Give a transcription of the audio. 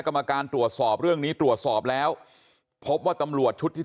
กรรมการตรวจสอบเรื่องนี้ตรวจสอบแล้วพบว่าตำรวจชุดที่